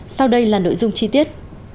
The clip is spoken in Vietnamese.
sau đây là nội dung chi tiết